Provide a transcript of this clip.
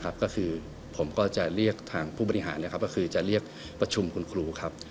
ก็คือผมก็จะเรียกทางผู้บริหารก็คือจะเรียกประชุมคุณครูครับ